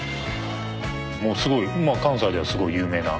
すごい関西ではすごい有名な。